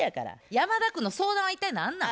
山田君の相談は一体何なん？